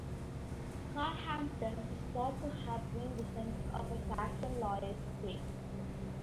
Carhampton is thought to have been the centre for a Saxon royal estate.